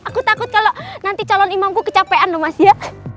aku takut kalau nanti calon imamku kecapean loh mas ya